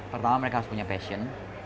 pertama mereka harus punya passion